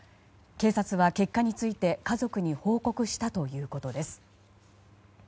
警察は結果について家族に報告したということです。